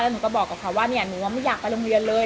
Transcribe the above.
หนูก็บอกกับเขาว่าหนูไม่อยากไปโรงเรียนเลย